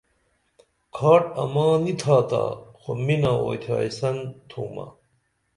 کھاٹ اما نی تھاتا خو مِنہ اوئی تھیائسن تھومہ